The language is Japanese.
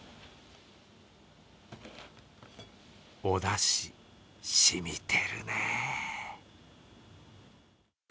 おだし、しみてるね。